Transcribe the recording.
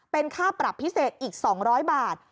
เป็นค่าปรับพิเศษอีก๒๐๐บาท